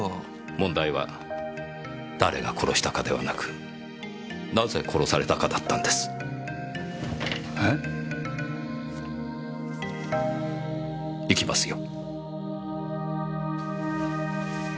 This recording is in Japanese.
問題は誰が殺したかではなくなぜ殺されたかだったんです。え！？行きますよ。